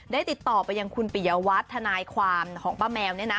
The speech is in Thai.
ได้ติดต่อไปยังคุณปิยวัตรทนายความของป้าแมวเนี่ยนะ